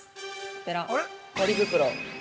ペらポリ袋。